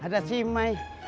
ada si mai